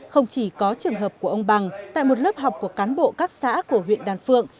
không chỉ có trường hợp của ông bằng tại một lớp học của cán bộ các xã của huyện đan phượng